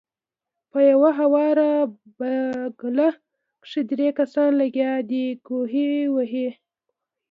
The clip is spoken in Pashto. پۀ يوه هواره بګله کښې درې کسان لګيا دي کوهے وهي